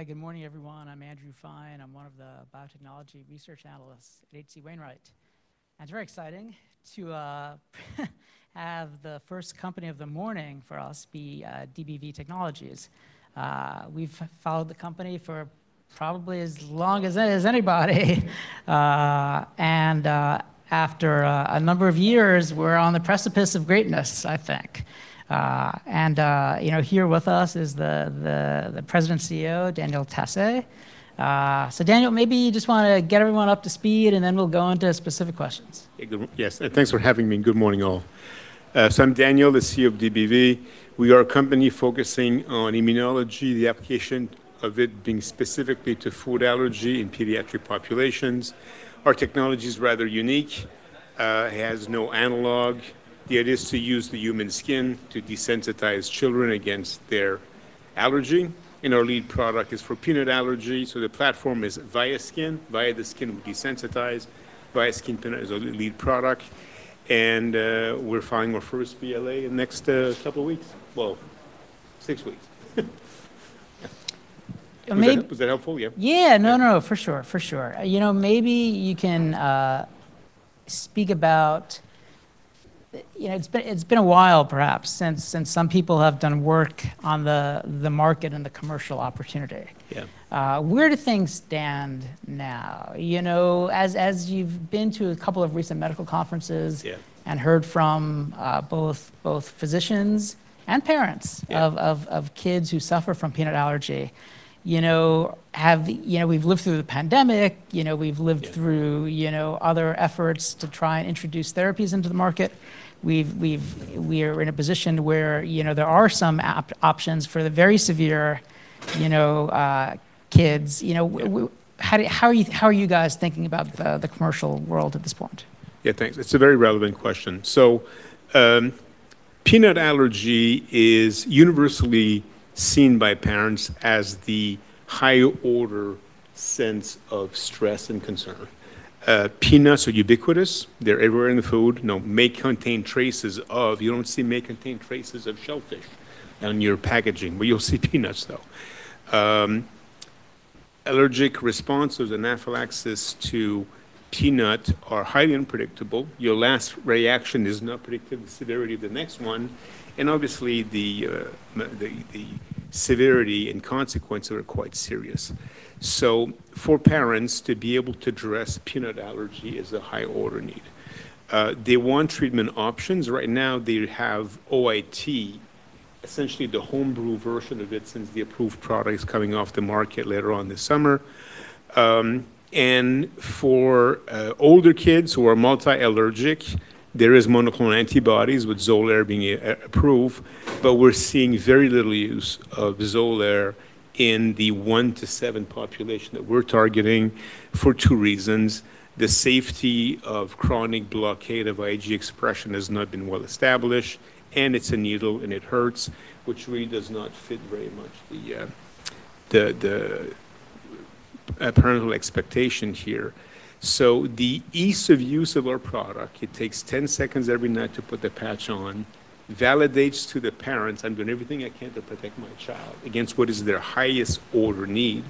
Hi. Good morning, everyone. I'm Andrew Fein. I'm one of the biotechnology research analysts at H.C. Wainwright. It's very exciting to have the first company of the morning for us be DBV Technologies. We've followed the company for probably as long as anybody. After a number of years, we're on the precipice of greatness, I think. You know, here with us is the President CEO, Daniel Tassé. Daniel, maybe you just wanna get everyone up to speed, then we'll go into specific questions. Yes, thanks for having me. Good morning, all. I'm Daniel, the CEO of DBV. We are a company focusing on immunology, the application of it being specifically to food allergy in pediatric populations. Our technology is rather unique, it has no analog. The idea is to use the human skin to desensitize children against their allergy, our lead product is for peanut allergy, the platform is VIASKIN. Via the skin, we desensitize. Viaskin Peanut is our lead product, we're filing our first BLA in next couple weeks, well, six weeks. Was that helpful? Yeah. No, no. For sure. You know, maybe you can speak about, you know, it's been a while perhaps since some people have done work on the market and the commercial opportunity. Yeah. Where do things stand now? You know, as you've been to a couple of recent medical conferences. Heard from both physicians and parents of kids who suffer from peanut allergy, you know, we've lived through the pandemic. You know, other efforts to try and introduce therapies into the market. We are in a position where, you know, there are some options for the very severe, you know, kids. How are you guys thinking about the commercial world at this point? Yeah, thanks. It's a very relevant question. Peanut allergy is universally seen by parents as the higher order sense of stress and concern. Peanuts are ubiquitous. They're everywhere in the food. You know, may contain traces of. You don't see may contain traces of shellfish on your packaging, but you'll see peanuts, though. Allergic responses, anaphylaxis to peanut are highly unpredictable. Your last reaction does not predict the severity of the next one, and obviously the severity and consequence are quite serious. For parents, to be able to address peanut allergy is a higher order need. They want treatment options. Right now they have OIT, essentially the homebrew version of it, since the approved product is coming off the market later on this summer. For older kids who are multi-allergic, there is monoclonal antibodies with XOLAIR being approved, but we're seeing very little use of XOLAIR in the one to seven population that we're targeting for two reasons. The safety of chronic blockade of IgE expression has not been well-established. It's a needle and it hurts, which really does not fit very much the parental expectation here. The ease of use of our product, it takes 10 seconds every night to put the patch on, validates to the parents, "I'm doing everything I can to protect my child," against what is their highest order need.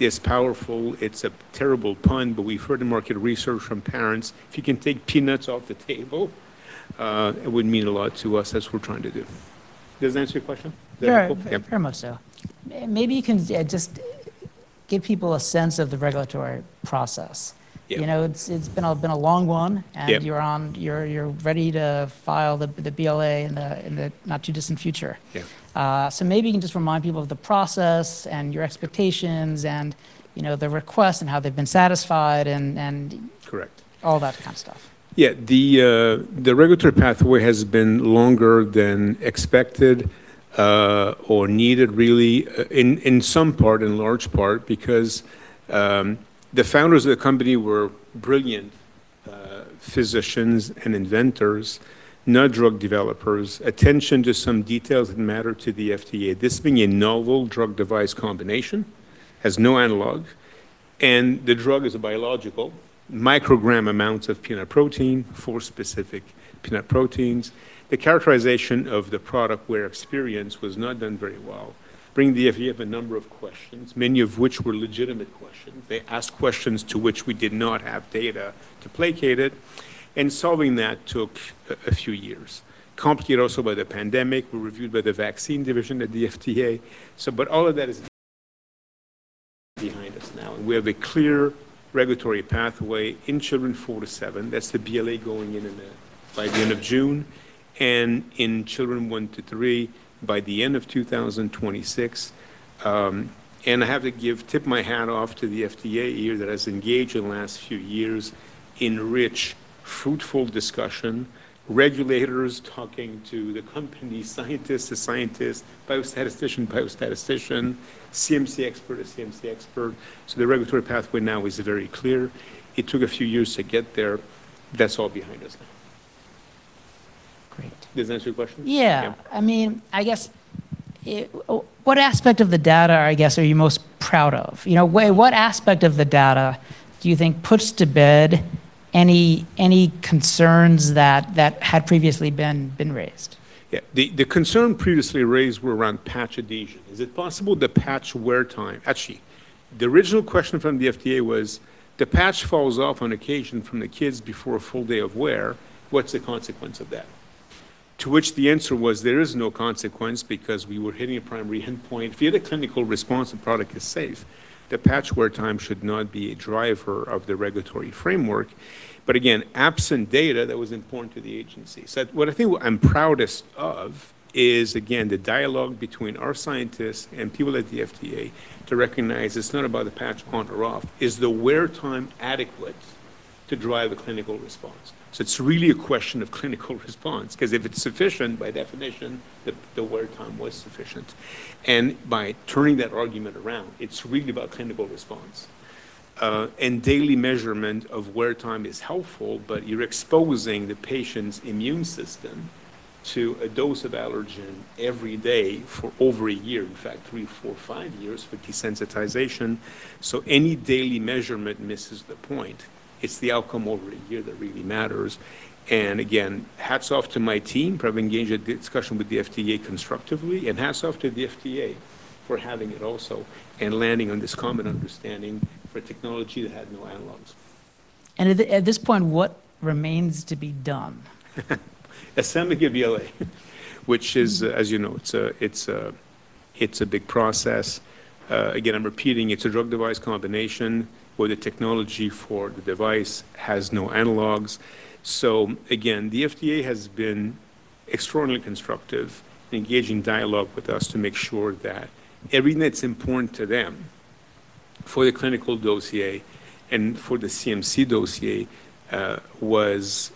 It's powerful, it's a terrible pun. We've heard in market research from parents, if you can take peanuts off the table, it would mean a lot to us. That's what we're trying to do. Does that answer your question? Is that helpful? Yeah, uppermost so. Maybe you can, yeah, just give people a sense of the regulatory process? You know, it's been a long one. You're on, you're ready to file the BLA in the not-too-distant future. Yeah. Maybe you can just remind people of the process and your expectations and, you know, the requests and how they've been satisfied, and all that kind of stuff. Yeah, the regulatory pathway has been longer than expected or needed really, in some part, in large part because the founders of the company were brilliant physicians and inventors, not drug developers. Attention to some details that matter to the FDA, this being a novel drug-device combination, has no analog, and the drug is a biological microgram amount of peanut protein for specific peanut proteins. The characterization of the product where experience was not done very well bring the FDA of a number of questions, many of which were legitimate questions. They asked questions to which we did not have data to placate it, and solving that took a few years, complicated also by the pandemic. We're reviewed by the vaccine division at the FDA. All of that is behind us now, we have a clear regulatory pathway in children four to seven. That's the BLA going in by the end of June. In children one to three by the end of 2026. I have to tip my hat off to the FDA here that has engaged in the last few years in rich, fruitful discussion, regulators talking to the company scientists, the scientist, biostatistician, CMC expert to CMC expert. The regulatory pathway now is very clear, it took a few years to get there. That's all behind us now. Great. Does that answer your question? Yeah. I mean, I guess, what aspect of the data, I guess, are you most proud of? You know, where, what aspect of the data do you think puts to bed any concerns that had previously been raised? Yeah, the concern previously raised was around patch adhesion. Actually, the original question from the FDA was, "The patch falls off on occasion from the kids before a full day of wear. What's the consequence of that?" To which the answer was, "There is no consequence because we were hitting a primary endpoint." If you have the clinical response, the product is safe, the patch wear time should not be a driver of the regulatory framework. Again, absent data, that was important to the agency. What I'm proudest of is, again, the dialogue between our scientists and people at the FDA to recognize it's not about the patch on or off. Is the wear time adequate to drive a clinical response? It's really a question of clinical response, because if it's sufficient, by definition, the wear time was sufficient. By turning that argument around, it's really about clinical response. Daily measurement of wear time is helpful, but you're exposing the patient's immune system to a dose of allergen every day for over a year, in fact, three, four, five years for desensitization, so any daily measurement misses the point. It's the outcome over a year that really matters. Again, hats off to my team for having engaged the discussion with the FDA constructively, and hats off to the FDA for having it also and landing on this common understanding for technology that had no analogs. At this point, what remains to be done? Assembling a BLA, which is, as you know, it's a big process. Again, I'm repeating, it's a drug-device combination where the technology for the device has no analogs. Again, the FDA has been extraordinarily constructive, engaging dialogue with us to make sure that everything that's important to them for the clinical dossier and for the CMC dossier was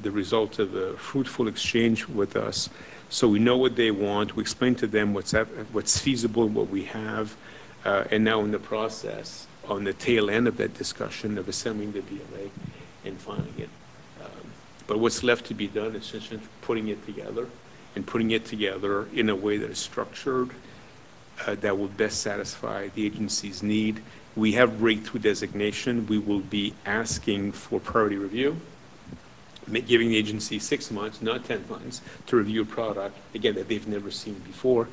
the result of a fruitful exchange with us. We know what they want, we explained to them what's feasible and what we have, and now in the process, on the tail end of that discussion of assembling the BLA and filing it. What's left to be done is essentially putting it together and putting it together in a way that is structured that will best satisfy the agency's need. We have breakthrough designation. We will be asking for priority review, giving the agency six months, not 10 months, to review a product, again, that they've never seen before.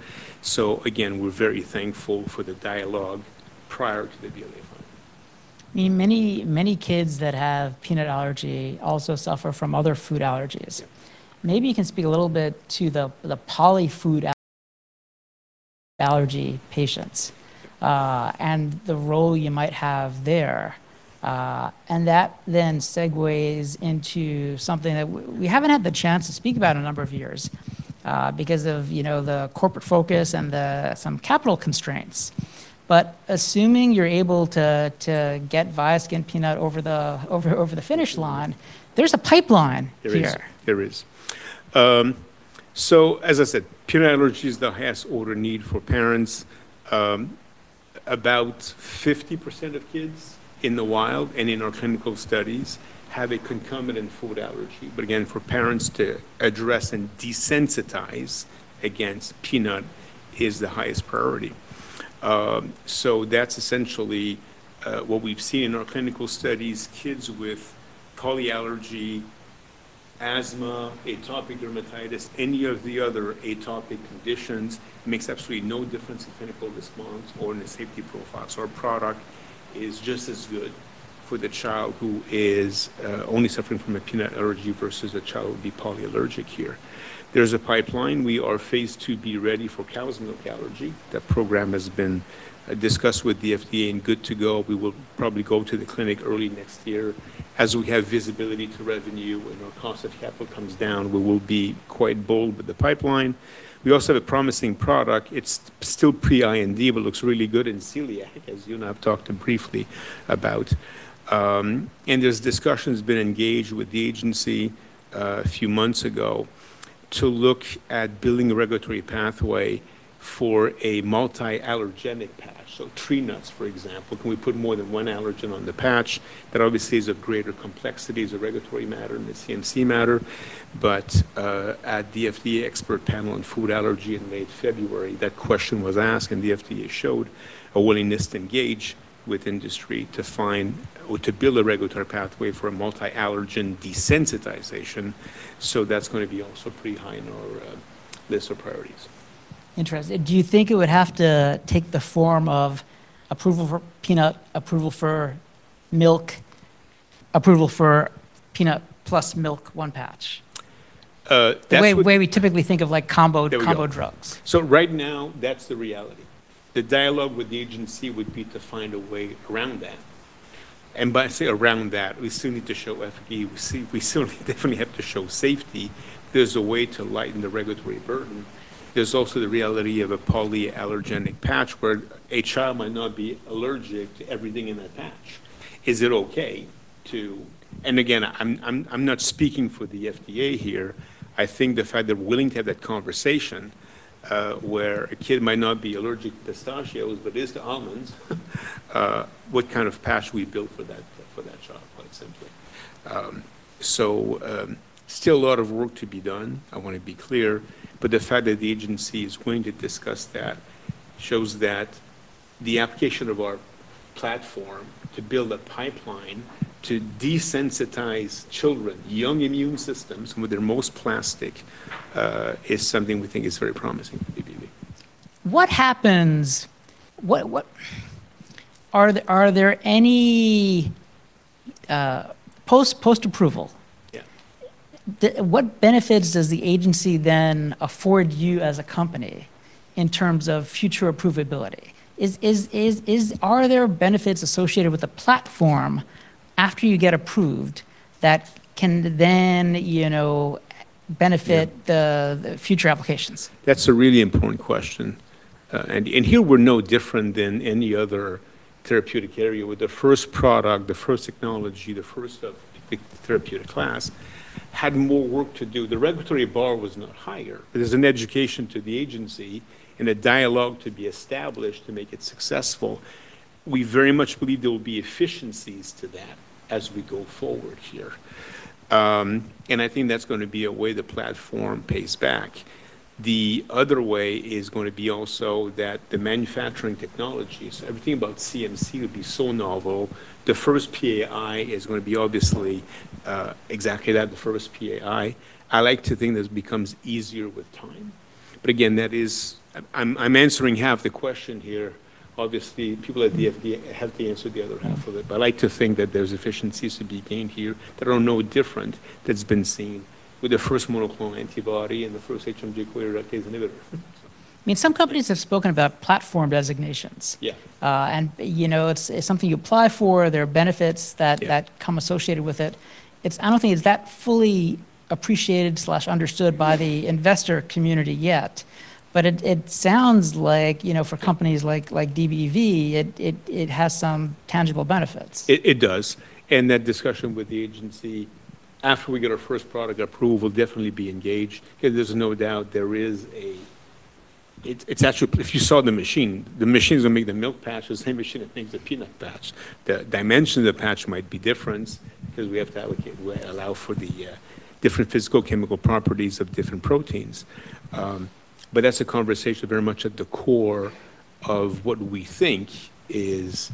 Again, we're very thankful for the dialogue prior to the BLA filing. I mean, many kids that have peanut allergy also suffer from other food allergies. Maybe you can speak a little bit to the polyfood allergy patients, and the role you might have there? That then segues into something that we haven't had the chance to speak about in a number of years, because of, you know, the corporate focus and the, some capital constraints. Assuming you're able to get Viaskin Peanut over the finish line. There's a pipeline here. There is. As I said, peanut allergy is the highest order need for parents. About 50% of kids in the wild and in our clinical studies have a concomitant food allergy. Again, for parents to address and desensitize against peanut is the highest priority. That's essentially what we've seen in our clinical studies. Kids with polyallergy, asthma, atopic dermatitis, any of the other atopic conditions, it makes absolutely no difference in clinical response or in the safety profile. Our product is just as good for the child who is only suffering from a peanut allergy versus a child who would be polyallergic here. There's a pipeline. We are phase II-B ready for cow's milk allergy. That program has been discussed with the FDA and good to go. We will probably go to the clinic early next year. As we have visibility to revenue and our cost of capital comes down, we will be quite bold with the pipeline. We also have a promising product. It's still pre-IND, but looks really good in celiac, as you and I have talked briefly about. There's discussions been engaged with the agency a few months ago to look at building a regulatory pathway for a multi-allergenic patch. Tree nuts, for example. Can we put more than one allergen on the patch? That obviously is of greater complexity as a regulatory matter and a CMC matter. At the FDA expert panel on food allergy in late February, that question was asked, and the FDA showed a willingness to engage with industry to find or to build a regulatory pathway for a multi-allergen desensitization. That's gonna be also pretty high on our list of priorities. Interesting. Do you think it would have to take the form of approval for peanut, approval for milk, approval for peanut plus milk, one patch? That's what- The way we typically think of, like, combo drugs. Right now, that's the reality. The dialogue with the agency would be to find a way around that. By saying around that, we still need to show efficacy. We definitely have to show safety. There's a way to lighten the regulatory burden. There's also the reality of a polyallergenic patch where a child might not be allergic to everything in that patch. Again, I'm not speaking for the FDA here. I think the fact they're willing to have that conversation, where a kid might not be allergic to pistachios, but is to almonds, what kind of patch we build for that child, quite simply. Still a lot of work to be done, I wanna be clear, but the fact that the agency is willing to discuss that shows that the application of our platform to build a pipeline to desensitize children, young immune systems when they're most plastic, is something we think is very promising for DBV. What are there any post-approval- Yeah? What benefits does the agency then afford you as a company in terms of future approvability? Are there benefits associated with the platform after you get approved that can then, you know, benefit the future applications? That's a really important question. Here we're no different than any other therapeutic area with the first product, the first technology, the first of the therapeutic class had more work to do. The regulatory bar was not higher. It is an education to the agency and a dialogue to be established to make it successful. We very much believe there will be efficiencies to that as we go forward here. I think that's gonna be a way the platform pays back. The other way is gonna be also that the manufacturing technologies, everything about CMC would be so novel. The first PAI is gonna be obviously, exactly that, the first PAI. I like to think this becomes easier with time. Again, that is I'm answering half the question here. Obviously, people at the FDA have to answer the other half of it. I like to think that there's efficiencies to be gained here that are no different that's been seen with the first monoclonal antibody and the first HMG-CoA reductase inhibitor. I mean, some companies have spoken about platform designations. Yeah. You know, it's something you apply for, there benefits that come associated with it. I don't think it's that fully appreciated slash understood by the investor community yet, but it sounds like, you know, for companies like DBV, it has some tangible benefits. It does. That discussion with the agency after we get our first product approval definitely be engaged, because there's no doubt it's actually, if you saw the machine, the machine's gonna make the milk patch the same machine that makes the peanut patch. The dimension of the patch might be different because we have to well, allow for the different physical chemical properties of different proteins. That's a conversation very much at the core of what we think is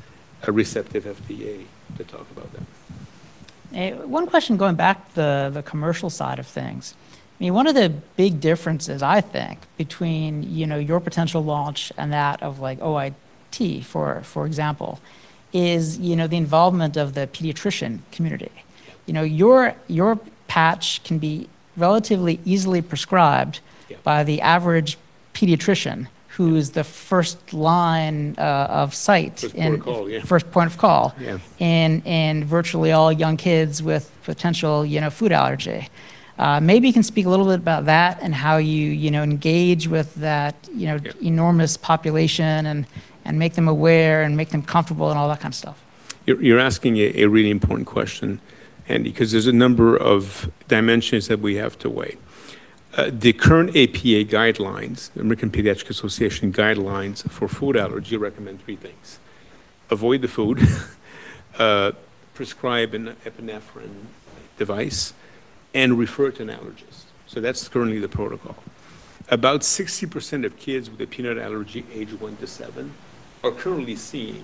a receptive FDA to talk about that. One question going back to the commercial side of things. I mean, one of the big differences, I think, between, you know, your potential launch and that of like OIT, for example, is, you know, the involvement of the pediatrician community. You know, your patch can be relatively easily prescribed by the average pediatrician who is the first line, of sight- First point of call. Yeah. First point of call. In virtually all young kids with potential, you know, food allergy. Maybe you can speak a little bit about that and how you know, engage with that, you know, enormous population and make them aware and make them comfortable and all that kind of stuff. You're asking a really important question, Andy, 'cause there's a number of dimensions that we have to weigh. The current AAP guidelines, American Academy of Pediatrics guidelines for food allergy recommend three things: avoid the food, prescribe an epinephrine device, and refer to an allergist. That's currently the protocol. About 60% of kids with a peanut allergy age one to seven are currently seeing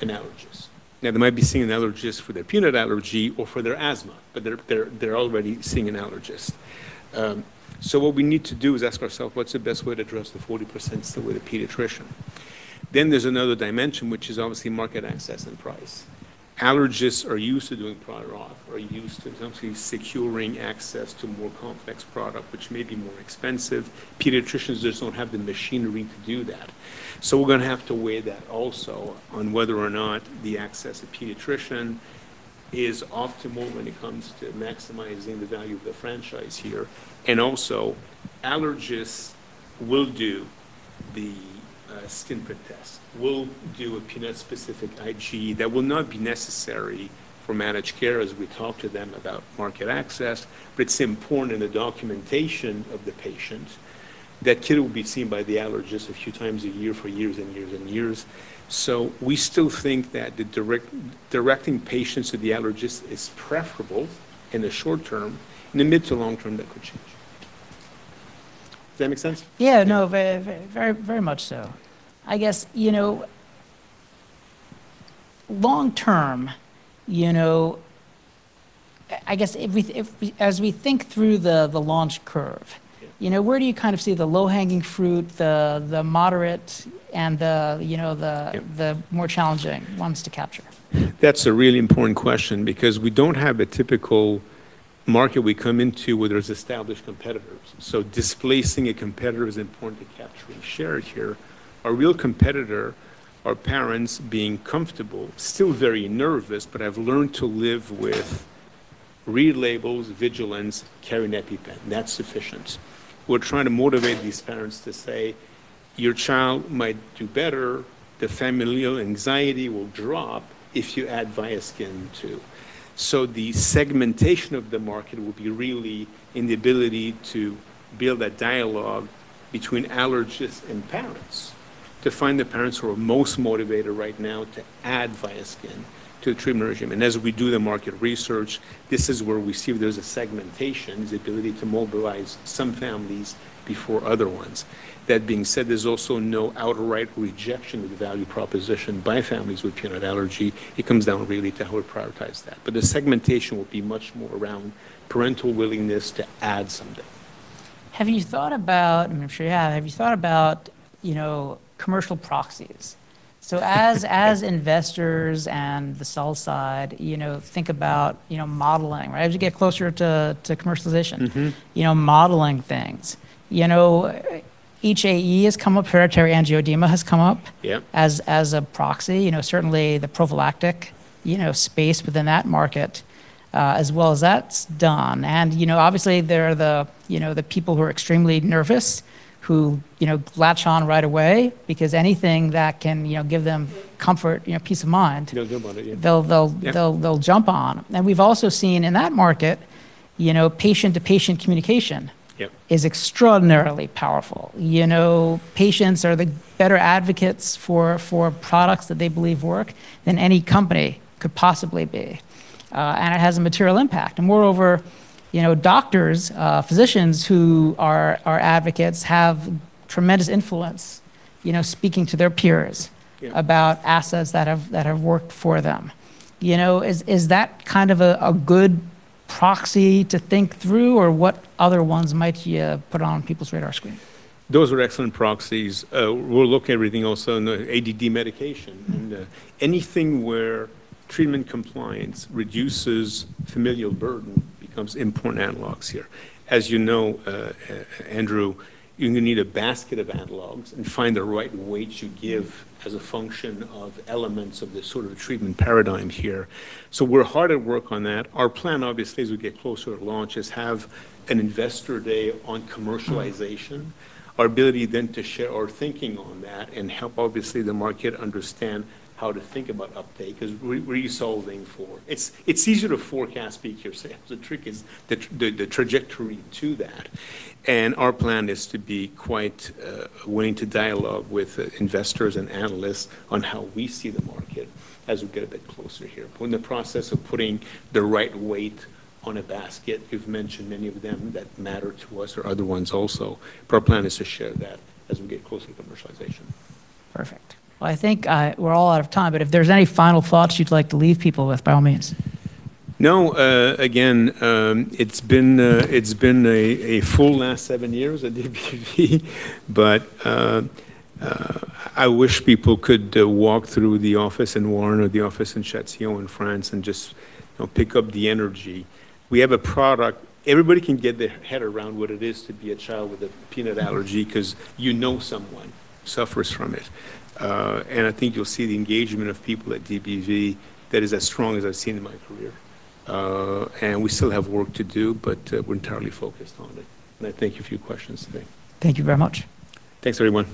an allergist. Now, they might be seeing an allergist for their peanut allergy or for their asthma, but they're already seeing an allergist. What we need to do is ask ourselves, what's the best way to address the 40% still with a pediatrician? There's another dimension, which is obviously market access and price. Allergists are used to doing prior auth, are used to obviously securing access to more complex product, which may be more expensive. Pediatricians just don't have the machinery to do that. We're gonna have to weigh that also on whether or not the access to pediatrician is optimal when it comes to maximizing the value of the franchise here. Allergists will do the skin prick test, will do a peanut-specific IgE that will not be necessary for managed care as we talk to them about market access. It's important in the documentation of the patient. That kid will be seen by the allergist a few times a year for years and years and years. We still think that directing patients to the allergist is preferable in the short term. In the mid to long term, that could change. Does that make sense? No, very much so. I guess, you know, long term, you know, I guess as we think through the launch curve. You know, where do you kind of see the low-hanging fruit, the moderate, and the, you know, the more challenging ones to capture? That's a really important question because we don't have a typical market we come into where there's established competitors, so displacing a competitor is important to capturing share here. Our real competitor are parents being comfortable, still very nervous, but have learned to live with read labels, vigilance, carry an EpiPen. That's sufficient. We're trying to motivate these parents to say, "Your child might do better. The familial anxiety will drop if you add VIASKIN too." The segmentation of the market will be really in the ability to build that dialogue between allergists and parents. To find the parents who are most motivated right now to add VIASKIN to a treatment regimen. As we do the market research, this is where we see there's a segmentation, this ability to mobilize some families before other ones. That being said, there's also no outright rejection of the value proposition by families with peanut allergy. It comes down really to how we prioritize that. The segmentation will be much more around parental willingness to add something. Have you thought about, and I'm sure you have, you know, commercial proxies? As investors and the sell side, you know, think about, you know, modeling, right? As you get closer to commercialization. You know, modeling things. You know, HAE has come up, hereditary angioedema has come up as a proxy. You know, certainly the prophylactic, you know, space within that market, as well as that's done. You know, obviously there are the, you know, the people who are extremely nervous who, you know, latch on right away because anything that can, you know, give them comfort, you know, peace of mind. Feel good about it, yeah. They'll jump on. We've also seen in that market, you know, patient-to-patient communication is extraordinarily powerful. You know, patients are the better advocates for products that they believe work than any company could possibly be. It has a material impact. Moreover, you know, doctors, physicians who are advocates have tremendous influence, you know, speaking to their peers about assets that have worked for them. You know, is that kind of a good proxy to think through, or what other ones might you put on people's radar screen? Those are excellent proxies. We'll look everything also in the ADHD medication. Anything where treatment compliance reduces familial burden becomes important analogs here. As you know, Andrew, you're gonna need a basket of analogs and find the right weight to give as a function of elements of the sort of treatment paradigm here. We're hard at work on that. Our plan, obviously, as we get closer to launch is have an Investor Day on commercialization. Our ability to share our thinking on that and help obviously the market understand how to think about update 'cause we're solving for. It's easier to forecast peak year sales. The trick is the trajectory to that. Our plan is to be quite willing to dialogue with investors and analysts on how we see the market as we get a bit closer here. We're in the process of putting the right weight on a basket. You've mentioned many of them that matter to us or other ones also. Our plan is to share that as we get closer to commercialization. Perfect. Well, I think, we're all out of time, but if there's any final thoughts you'd like to leave people with, by all means. No. Again, it's been a full last seven years at DBV. I wish people could walk through the office in Warren or the office in Châtillon in France and just, you know, pick up the energy. We have a product. Everybody can get their head around what it is to be a child with a peanut allergy 'cause you know someone suffers from it. I think you'll see the engagement of people at DBV that is as strong as I've seen in my career. We still have work to do, but we're entirely focused on it. I thank you for your questions today. Thank you very much. Thanks, everyone.